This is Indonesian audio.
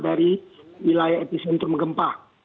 dari wilayah epicentrum gempa